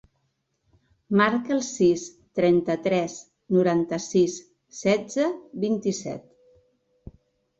Marca el sis, trenta-tres, noranta-sis, setze, vint-i-set.